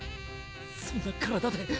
そんな体で。